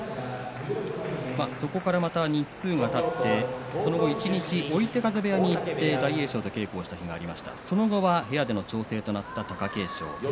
そこから日数がたって一日、追手風部屋に行って大栄翔と稽古をしましたがその後は部屋での調整となった貴景勝。